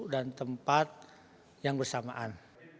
dan tempat yang bersamaan